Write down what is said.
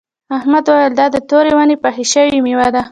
احمد وویل دا د تورې ونې پخه شوې میوه ده.